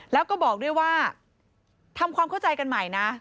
แล้วก็บอกด้วยว่าทำความเข้าใจกันใหม่นะ